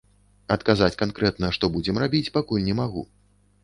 Адказаць канкрэтна, што будзем рабіць, пакуль не магу.